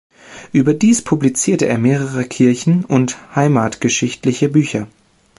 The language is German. Überdies publizierte er mehrere kirchen- und heimatgeschichtliche Bücher.